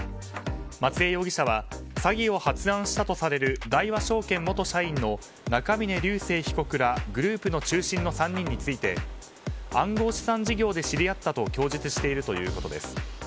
松江容疑者は詐欺を発案したとされる大和証券元社員の中峯竜晟被告らグループの中心の３人について暗号資産事業で知り合ったと供述しているということです。